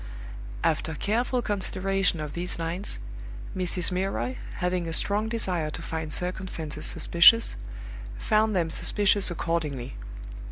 After careful consideration of these lines, Mrs. Milroy, having a strong desire to find circumstances suspicious, found them suspicious accordingly.